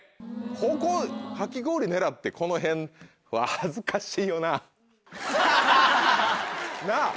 ここかき氷狙ってこの辺は恥ずかしいよな。なぁ。